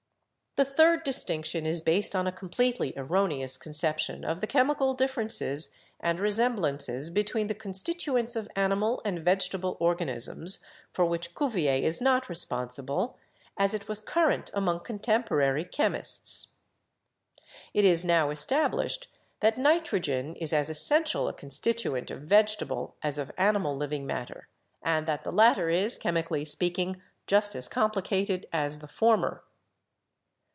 "The third distinction is based on a completely erroneous conception of the chemical differences and resemblances between the constituents of animal and vegetable organ isms, for which Cuvier is not responsible, as it was current among contemporary chemists. It is now established that nitrogen is as essential a constituent of vegetable as of animal living matter and that the latter is, chemically speaking, just as complicated as the former.